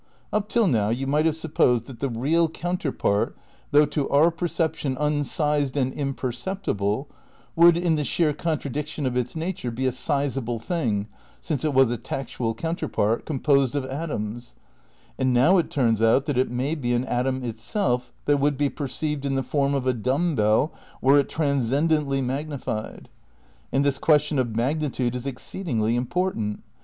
Up till now you might have supposed that the real counterpart, though to our per ception unsized and imperceptible, would, in the sheer contradiction of its nature, be a sizeable thing (since it was a tactual counterpart) composed of atoms; and now it turns out that it may be an atom itself that would be perceived in the form of a dumb bell were it tran scendently magnified. And this question of magnitude is exceedingly important.